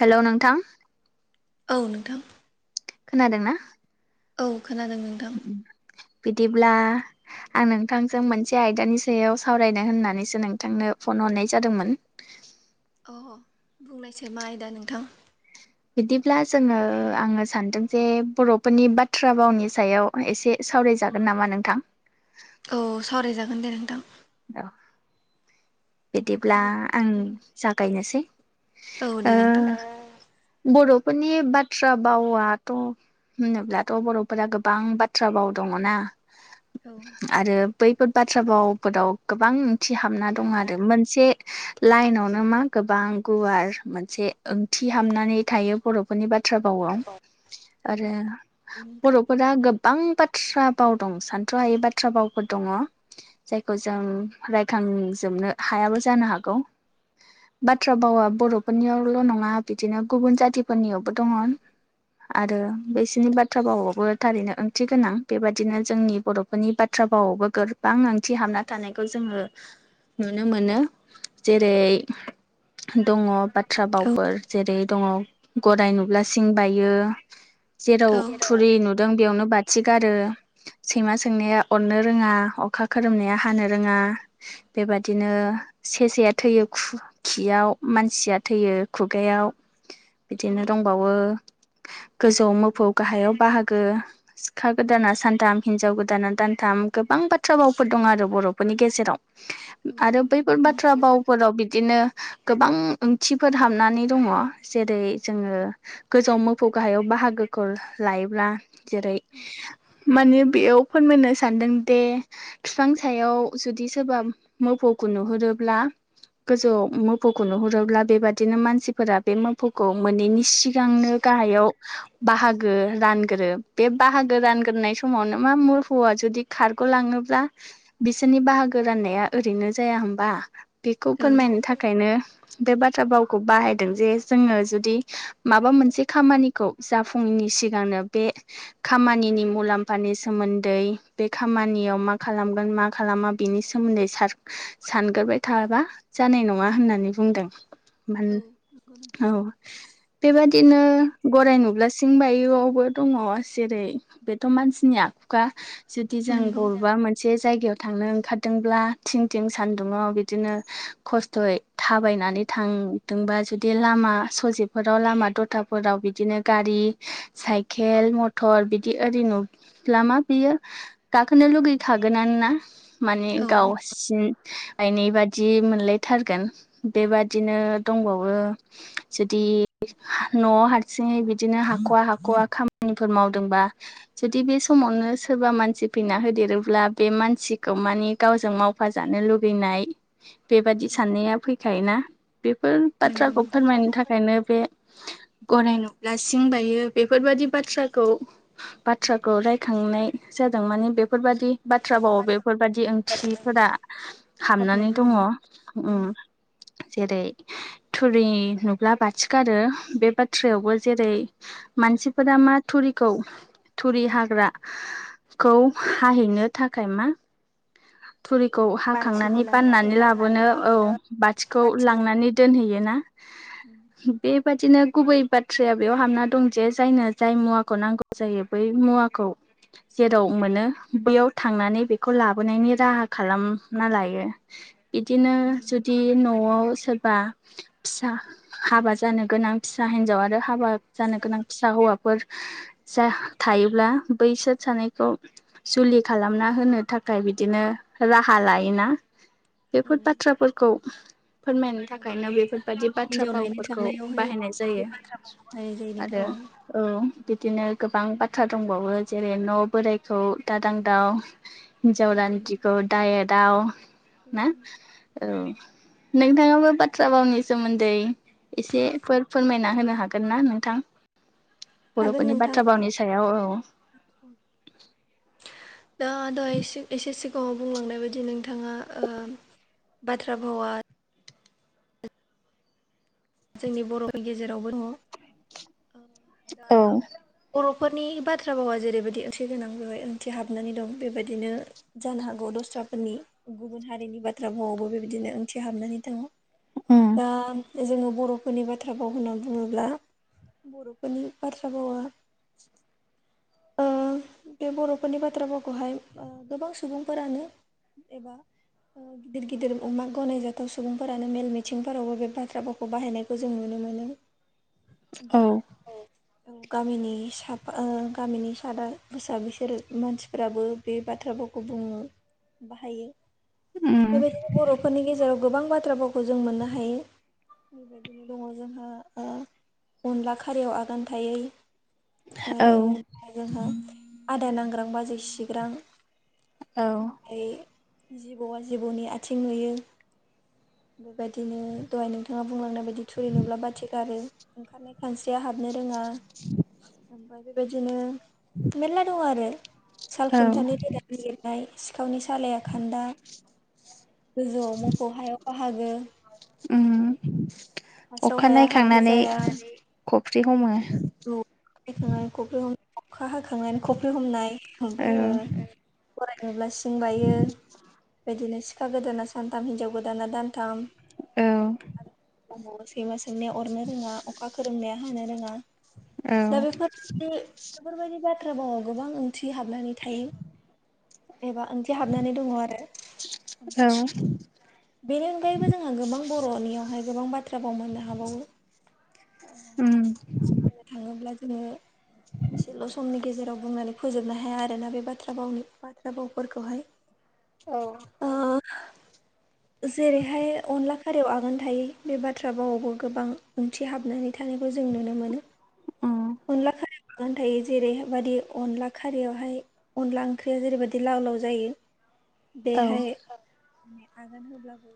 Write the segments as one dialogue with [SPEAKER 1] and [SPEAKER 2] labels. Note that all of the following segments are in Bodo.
[SPEAKER 1] हेलौ नोंथां
[SPEAKER 2] औ नोंथां
[SPEAKER 1] खोनादोंना?
[SPEAKER 2] औ खोनादों नोंथां।
[SPEAKER 1] बिदिब्ला आं नोंथांजों मोनसे आयदानि सायाव सावरायनो होननानैसो नोंथांनो फन हरनाय जादोंमोन
[SPEAKER 2] अ बुंनायसाय मा आयदा नोंथां?
[SPEAKER 1] बिदिब्ला जोङो आङो सानदों जे बर'फोरनि बाथ्रा भावनि सायाव एसे सावरायजागोन नामा नोंथां
[SPEAKER 2] औ सावरायजागोन दे नोंथां
[SPEAKER 1] औ बिदिब्ला
[SPEAKER 2] बे
[SPEAKER 1] आं जागायनोसै
[SPEAKER 2] औ दे
[SPEAKER 1] ओ
[SPEAKER 2] नोंथां औ
[SPEAKER 1] बर'फोरनि बाथ्रा बावाथ' होनोब्लाथ' बर'फोरा गोबां बाथ्रा बाव दङना
[SPEAKER 2] औ
[SPEAKER 1] आरो बैफोर बाथ्रा भावफोराव गोबां ओंथि हाबना
[SPEAKER 2] बे
[SPEAKER 1] दं आरो मोनसे लाइनावनो मा गोबां गुवार मोनसे ओंथि हाबनानै थायो बर' फोरनि बाथ्रा भावाव आरो
[SPEAKER 2] नोंथां
[SPEAKER 1] बर'फोरा गोब बां बाथ्रा बाव दं सान्थ्र'हायै बाथ्रा बावफोर दङ जायखौ जों रायखांजोबनो हायाबो जानो हागौ बाथ्रा बावा बर'फोरनियावल' नङा बिदिनो गुबुन जातिफोरनियावबो दङ आरो बिसोरनि बाथ्रा भावाबो थारैनो ओंथि गोनां बेबादिनो जोंनि बर' फोरनि बाथ्रा भावावबो गोबां ओंथि हाबना थानायखौ जोङो नुनो मोनो जेरै- दङ बा थ्रा
[SPEAKER 2] औ
[SPEAKER 1] बावफोर जेरै- दङ गराय नुब्ला सिं बायो जेराव
[SPEAKER 2] औ
[SPEAKER 1] थुरि नुदों बेयावनो बा थि गारो सैमा सोंनाया अरनो रोङा अखा खोरोमनाया हानो रोङा बेबादिनो सेसाया थैयो खु खियाव मानसिया थैयो खुगायाव
[SPEAKER 2] औ
[SPEAKER 1] बिदिनो दंबावो गोजौआव मोफौ गाहायाव बाहागो सिखा गोदाना सानथाम हिनजाव गोदाना दानथाम गोबां बाथ्रा बावफोर दं आरो बर'फोरनि गेजेराव
[SPEAKER 2] औ
[SPEAKER 1] आरो
[SPEAKER 2] नंगौ
[SPEAKER 1] बैफोर
[SPEAKER 2] नोंथां
[SPEAKER 1] बाथ्रा बावफोराव बिदिनो गोबां ओंथिफोर हाबनानै दङ जेरै जोङो गोजौआव मोफौ गाहायाव बाहागोखौ लायोब्ला जेरै माने बेयाव फोरमायनो सानदों दि फिफां सायाव जुदि सोरबा मोफौखौ नुहुरोब्ला गोजौ मोफौखौ नुहुरोब्ला बेबादिनो मानसिफोरा बे मोफौखौ मोनैनि सि गांनो गाहायाव बाहागो रानग्रो बे बाहागो रानग्रोनाय समावनो मा मोफौआ जुदि खारग'लाङोब्ला बिसोरनि बाहागो राननाया ओरैनो जाया होमबा बेखौ
[SPEAKER 2] औ
[SPEAKER 1] फोरमायनो थाखायनो बे बाथ्रा भावखौ बाहायदों जे जोङो जुदि माबा मोनसे खामानिखौ जाफुंङैनि सिगांनो बे खामानिनि मुलाम्फानि सोमोन्दै बे खामानियाव मा खालामगोन मा खालामा बिनि सोमोन्दै सान सानग्रोबाय थाबा जानाय नङा होननानै बुंदों म
[SPEAKER 2] औ नंगौ नोंथां
[SPEAKER 1] औ बेबादिनो गराय नुब्ला सिं बायोआवबो दङ जेरै बेथ' मानसिनि आखुखा जुदि जों
[SPEAKER 2] नंगौ
[SPEAKER 1] बबेबा मोनसे जायगायाव थांनो ओंखारदोंब्ला थिं थिं सानदुङाव बिदिनो खस्थ'यै थाबायनानै थां दोंबा जुदि लामा सजेफोराव लामा दथाफोराव बिदिनो गारि साइकेल मथर बिदि ओरै नुब्ला मा बियो गाखोनो लुगैखागोनानो ना माने
[SPEAKER 2] औ
[SPEAKER 1] गावसिन बायनाय बादि मोनलायथारगोन बेबादिनो दंबावो जदि न' हार सिङै बिदिनो हाख'वा हाख'वा खामानिफोर मावदोंबा जुदि बे समावनो सोरबा मानसि फैना होदेरोब्ला बे मानसि खौ मानि गावजों मावफा जानो लुगैनाय बेबादि साननाया फैखायोना बेफोर
[SPEAKER 2] नंगौ
[SPEAKER 1] बाथ्राखौ
[SPEAKER 2] नोंथां
[SPEAKER 1] फोरमायनो थाखायनो बे गराय नुब्ला सिं बायो बेफोरबायादि बाथ्राखौ बाथ्राखौ रायखांनाय जादों माने बेफोरबादि बाथ्रा भाव बेफोरबादि ओंथिफोरा हाबनानै दङ उम जेरै थुरि नुब्ला बाथि गारो बे बाथ थ्रायावबो जेरै मानसिफोरा मा थुरिखौ थुरि हाग्रा खौ हाहैनो थाखाय मा थुरिखौ हाखांनानै बाननानै लाबोनो औ बाथिखौ लांनानै दोनहैयो ना
[SPEAKER 2] उम
[SPEAKER 1] बेबादिनो गुबै बाथ्राया बेयाव हाबना दं जे जायनो जाय मुवाखौ नांगौ जायो बै मुवाखौ जेराव मोनो बैयाव थांनानै बेखौ लाबोनायनि राहा खालामना लायो बिदिनो जुदि न'आव सोर बा फिसा हाबा जानो गोनां फिसा हिनजाव आरो हाबा जानो गोनां फिसा हौवा फोर जाय थायोब्ला बैसोर सानैखौ जुलि खालामना होनो थाखाय बिदिनो राहा लायोना
[SPEAKER 2] औ
[SPEAKER 1] बेफोर बाथ्राफोरखौ फोरमायनो
[SPEAKER 2] औ
[SPEAKER 1] थाखायनो बेफोरबादि बाथ्रा
[SPEAKER 2] हिनजाव नायनो
[SPEAKER 1] भावफोरखौ
[SPEAKER 2] थांनायावहाय
[SPEAKER 1] बाहायनाय जायो
[SPEAKER 2] बाहायनाय जायो नोंथां
[SPEAKER 1] आरो
[SPEAKER 2] औ
[SPEAKER 1] औ बिदिनो गोबां बाथ्रा दंबावो जेरै न' बोराइखौ दादां दाव हिन्जाव रान्दिखौ दा एदाव ना औ नोंथाङाबो बाथ्रा भावनि सोमोन्दै एसे फोर फोरमायना होनो हागोन ना नोंथां
[SPEAKER 2] हागोन
[SPEAKER 1] बर'फोरनि
[SPEAKER 2] नोंथां
[SPEAKER 1] बाथ्रा भावनि सायाव औ
[SPEAKER 2] [inaudible] दा दहाय एसे एसे सिगाङाव बुंलांनाय बायदि नोंथाङा ओ बाथ्रा भावा जोंनि बर'नि गेजेरावबो दङ ओ दा
[SPEAKER 1] औ
[SPEAKER 2] बर'फोरनि बाथ्रा भावा जेरैबायदि ओंथि गोनां बेवहाय ओंथि हाबनानै दं बेबायदिनो जानो हागौ दस्राफोरनि गुबुन हारिनि बाथ्रा बुङावबो बेबायदिनो ओंथि हाबनानै दङ।
[SPEAKER 1] उम
[SPEAKER 2] दा जोङो बर'फोरनि बाथ्रा बाव होनना बुङोब्ला बर'फोरनि बाथ्रा बावा बे बर'फोरनि बाथ्राफोरखौहाय गोबां सुबुंफोरानो एबा गिदिर गिदिर अमा गनायजाथाव सुबुंफोरानो मेल मिथिंफोरावबो बे बाथ्रा भावखौ खौ बाहायनायखौ जों नुनो मोनो बा
[SPEAKER 1] [inaudible]
[SPEAKER 2] औ गामिनि सफा गामिनि सादा बुसा बिसोर मानसिफोराबो बे बाथ्राफोरखौ बुङो बाहायो।
[SPEAKER 1] उम
[SPEAKER 2] बे लोगोसे बर'फोरनि गेजेराव गोबां बाथ्राावफोरखौ जों मोननो हायो। बेबायदिनो दङ जोंहा अनला खारयाव आगान थायै।
[SPEAKER 1] औ
[SPEAKER 2] आरोओ जोंहा आदा नांग्रां बाजै सिग्रां।
[SPEAKER 1] औ
[SPEAKER 2] ओमफ्राय जिबौआ जिबौनि आथिं नुयो बेबायदिनो दहाय नों थाङा बुंलांनाय बायदि थुरि नुब्ला बाथि गारो ओंखारनायाय खानस्रिया हाबनो रोङा ओमफ्राय बेबायदिनो मेरला दङ आरो साल
[SPEAKER 1] औ
[SPEAKER 2] खुन्थानि रोदा नागिरनाय सिखावनि सालाया खा खान्दा, गोजौआव मोफौ हायाव बाहागो
[SPEAKER 1] उम
[SPEAKER 2] [inaudible] हास्राव
[SPEAKER 1] अखा
[SPEAKER 2] हाया हाब्रु
[SPEAKER 1] नायखांनानै
[SPEAKER 2] जाया
[SPEAKER 1] फख्रि हमो
[SPEAKER 2] औ खांनानै खफ्रि हम अखा हाखांनानै खफ्रि हमनाय
[SPEAKER 1] औ
[SPEAKER 2] ओमफ्राय ओ गराइ नुब्ला सिं बायो, बेदिनो सिखा गोदाना सानथाम हिनजाव गोदाना दानथाम।
[SPEAKER 1] औ
[SPEAKER 2] औ सैमा सोंनाया अरनो रोङा अखा खोरोमनाया हानो रोङा।
[SPEAKER 1] औ
[SPEAKER 2] दा बेफोरबायदि बेफोरबायदि बाथ्रा भावआव गोबां ओंथि हाबनानै थायो। एबा ओंथि हाबनानै दङ आरो।
[SPEAKER 1] औ
[SPEAKER 2] बेनि अनगायैबो जोंहा गोबां बर'नियावहाय गोबां बाथ्रा बाव मोननो हा हाबावो
[SPEAKER 1] उम
[SPEAKER 2] बुंनो थाङोब्ला जोङो एसेल' समनि गेजेराव बुंनानै फोजोबनो हाया आरोना बे बाथ्रा भावनि बाथ्रा बावफोरखौहाय।
[SPEAKER 1] औ
[SPEAKER 2] जेरैहाय अनला खारियाव आगान थायो बे बाथ्रा भावआवबो गोबां ओंथि हाबनानै थानायखौ जों नुनो मोन
[SPEAKER 1] उम
[SPEAKER 2] अनला खा आगान थायै जेरैबादि अनला खारियावहाय अनला ओंख्रिया जेरैबायदि लाव लाव जायो
[SPEAKER 1] औ
[SPEAKER 2] बेहाय [unintelligible] होब्लाबो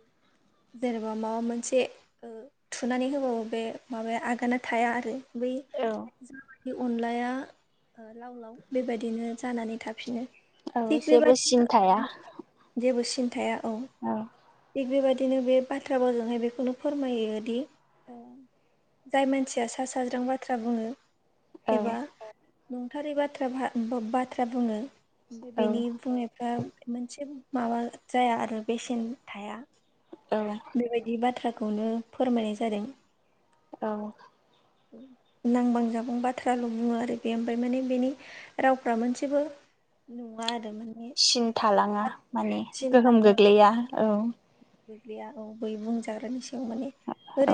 [SPEAKER 2] जेनेबा माबा मोनसे ओ थुनानै होबाबो बे माबाया आगाना थाया आरो बै
[SPEAKER 1] औ
[SPEAKER 2] जाबायदि अनलाया लाव लाव बेबायदिनो जानानै थाफिनो।
[SPEAKER 1] औ
[SPEAKER 2] थिग
[SPEAKER 1] जेबो सिन थाया
[SPEAKER 2] बेबादिनो जेबो सिन थाया औ।
[SPEAKER 1] औ
[SPEAKER 2] थिग बेबायदिनो बे बाथ्रा भावजोंहाय बेखौनो फोरमायोदि ओ जाय मानसिया सा साज्रां बाथ्रा बुङो
[SPEAKER 1] औ
[SPEAKER 2] एबा नंथारै बाथ्रा भा बाथ्रा बुङो
[SPEAKER 1] औ
[SPEAKER 2] बेनि बुंनाय मोनसेबो माबा जाया आरो बेसेन थाया
[SPEAKER 1] औ
[SPEAKER 2] बेबायदि बाथ्राखौनो फोरमायनाय जादों।
[SPEAKER 1] औ
[SPEAKER 2] नांबां जाबां बाथ्राल' बुङो आरो बे ओमफ्राय माने बेनि रावफ्रा मोनसेबो नुवा आरो मोन
[SPEAKER 1] सिन थालाङा माने गोहोम
[SPEAKER 2] थाङा
[SPEAKER 1] गोग्लैया। औ
[SPEAKER 2] गोग्लैया औ बै बुंजाग्रानि सायाव माने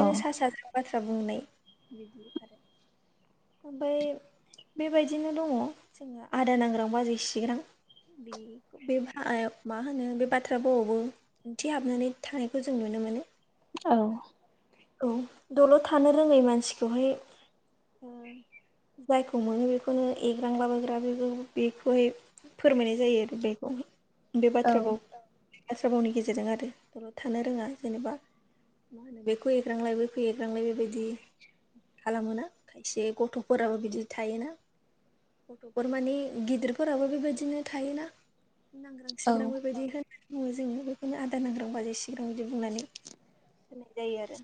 [SPEAKER 1] औ
[SPEAKER 2] सा सा साजों बाथ्रा बुंनाय। बिदि आरो ओमफाय बेबायदिनो दङ। जोङो आदा नांग्रां बाजै सिग्रां। बे फ्राओमा होनो बे बाथ्रा भावावबो ओंथि हाबनानै थांनायखौ जों नुनो मोनो।
[SPEAKER 1] औ।
[SPEAKER 2] औ दलद थानो रोङै मानसिखौहाय जायखौ मोनो बेखौनो एग्रांला बोग्रा बेबो बेखौहाय फोरमायनाय जायो। बेखौ बे
[SPEAKER 1] औ
[SPEAKER 2] बाथ्रा भाव बाथ्रा भावनि गेजेरजों आरो थानो रोङा। जेनेबा मा होनो बेखौ एग्रांलाय बैखौ एग्रांलाय बेबायदि। खालामोना खायसे गथ'फोराबो बिदि थायोना। गथ'फोर माने गिदिरफोराबो बेबायदिनो थायोना। नांग्रां सिग्रां बेबायदि होनो। बुङो जोंङो बेखौनो आदा नांग्रां बाजै सिग्रां बिदि बुंनानै होनाय जायो आरो।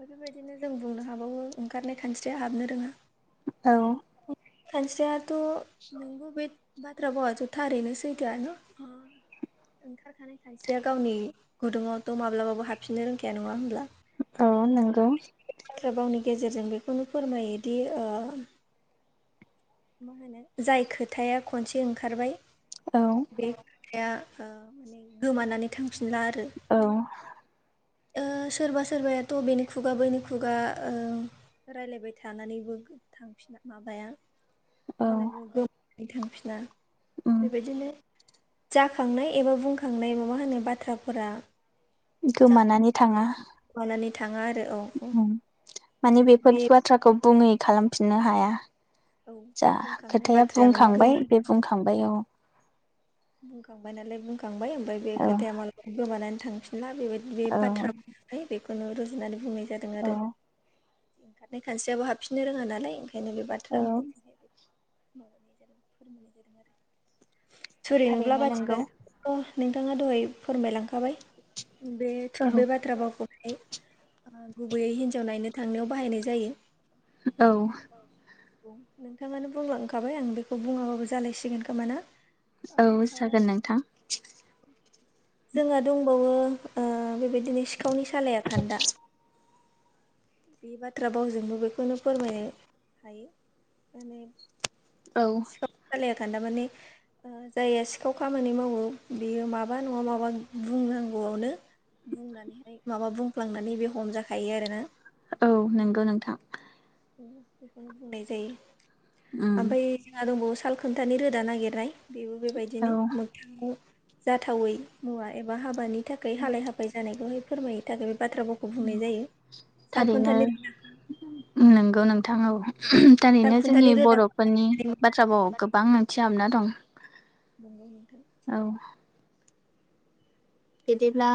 [SPEAKER 2] बेफोरबायदिनो जों बुंनो हाबावो ओंखारनाय खानस्रिया हाबनो रोङा।
[SPEAKER 1] औ।
[SPEAKER 2] खानस्रियाथ' नोंबो बे बाथ्रा भावाथ' थारैनो सैथोआनो। ओंखारखानाय खानस्रिया गावनि गुदुङावथ' माब्लाबाबो हाबफिननो रोंखाया नङा होनब्ला?
[SPEAKER 1] अ नंगौ।
[SPEAKER 2] बे बाथ्रा भावनि गेजेरजों बेखौनो फोरमायोदि ओ मा होनो जाय खोथाया खनसे ओंखारबाय
[SPEAKER 1] औ।
[SPEAKER 2] बे खोथाया ओ माने गोमानानै थांफिनला आरो माने। ओ सोरबा सोरबायाथ' बेनि खुगा बैनि खुगा ओ रायलायबाय थानानैबो। थांफिना माबाया
[SPEAKER 1] औ
[SPEAKER 2] मा होनना बुङो गोै थांफिना
[SPEAKER 1] उम
[SPEAKER 2] बेबायदिनो। जाखांनाय एबा बुंखांनाय माबा होननाय बाथ्राफोरा।
[SPEAKER 1] गोमानानै थाङा
[SPEAKER 2] जाखोमानानै थाङा आरो औ औ
[SPEAKER 1] उम माने
[SPEAKER 2] बेबायदिनो
[SPEAKER 1] बेफोर
[SPEAKER 2] बे।
[SPEAKER 1] बाथ्राखौ बुङै खालामफिननो हाया।
[SPEAKER 2] औ
[SPEAKER 1] जा
[SPEAKER 2] बुंखांनाय
[SPEAKER 1] खोथाया
[SPEAKER 2] बाथ्राया माने
[SPEAKER 1] बुंखांबाय
[SPEAKER 2] गोमा
[SPEAKER 1] बे बुंखांबाय औ।
[SPEAKER 2] बुंखांबाय नालाय बुंखांबाय। ओमफ्राय बे
[SPEAKER 1] औ
[SPEAKER 2] खोथाया मालाबा गोमानानै थांफिन ब्ला बेबायदि बे
[SPEAKER 1] औ
[SPEAKER 2] बाथ्रा बुंनानै बेखौनो रुजुनानै बुंनाय जादों
[SPEAKER 1] औ
[SPEAKER 2] आरो। ओंखारनाय खानस्रियाबो हाबफिननो रोङा नालाय। ओंखायनो बे
[SPEAKER 1] औ
[SPEAKER 2] बाथ्रा भावजोंहाय बे माबानाय जादों फोरमायनाय जादों आरो। थुरि नुब्ला
[SPEAKER 1] थारैनो
[SPEAKER 2] बाथि
[SPEAKER 1] नंगौ
[SPEAKER 2] गारो बेखौथ' नोंथाङा दहाय फोरमायलांखाबाय। बे
[SPEAKER 1] औ
[SPEAKER 2] बे बाथ्रा भावखौहाय ओ गुबैयै हिन्जाव नायनो थांनायाव बाहायनाय जायो।
[SPEAKER 1] औ।
[SPEAKER 2] नोंथाङानो बुंलांखाबाय। आं बेखौ बुङाबाबो जालायसिगोन खोमा ना?
[SPEAKER 1] औ
[SPEAKER 2] ओमफ्राय
[SPEAKER 1] जागोन नोंथां।
[SPEAKER 2] जोंहा दंबावोओ बेबायदिनो सिखावनि सालायया खान्दा। बे बाथ्रा भावजोंबो बेखौनो फोरमायनो हायो। माने
[SPEAKER 1] औ।
[SPEAKER 2] सिखावनि सालाइया खान्दा माने जायहा सिखाव खामानि मावो। बेयो माबा नङा माबा बुंनांगौआवनो बुंनानैहाय माबा बुंफ्लांनानै बे हमजाखायो आरोना।
[SPEAKER 1] औ नंगौ नोंथां।
[SPEAKER 2] बेखौनो बुंनाय जायो।
[SPEAKER 1] उम
[SPEAKER 2] आमफाय जोंहा दंबावो साल खोनथानि रोदा नागिरनाय बेबो
[SPEAKER 1] औ
[SPEAKER 2] बेबायदिनो। मोगथाङाव जाथावै मुवा एबा हाबानि नि थाखाय हालाय हाफाय जानायखौहाय फोरमायनो थाखाय। बे बाथ्रा भावखौ बुंनाय जायो
[SPEAKER 1] थारैनो
[SPEAKER 2] सालखुन्थनि
[SPEAKER 1] नंगौ नोंथां औ थारैनो जोंनि
[SPEAKER 2] सालखुन्थानि रोदाखौ
[SPEAKER 1] बर'फोरनि बाथ्रा बाव गोबां ओंथिहाबना दं।
[SPEAKER 2] नंगौ नोंथां।
[SPEAKER 1] औ। बिदिब्ला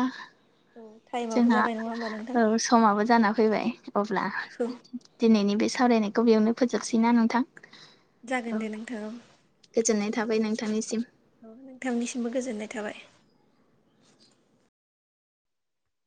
[SPEAKER 2] औ टाइमाबो
[SPEAKER 1] जोंहा
[SPEAKER 2] जाबाय नङा होमबा नोंथां
[SPEAKER 1] औ स समाबो जाना फैबाय अब्ला
[SPEAKER 2] औ
[SPEAKER 1] दिनैनि बे सावरायनायखौ बेयावनो फोजोबसैना नोंथां? औ
[SPEAKER 2] जागोन दे नोंथां औ।
[SPEAKER 1] गोजोननाय थाबाय नोंथांनिसिम।
[SPEAKER 2] औ नोंथांनिसिमबो गोजोननाय थाबाय।